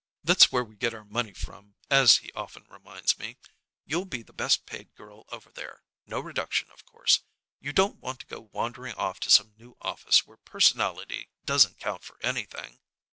That's where we get our money from, as he often reminds me. You'll be the best paid girl over there; no reduction, of course. You don't want to go wandering off to some new office where personality doesn't count for anything."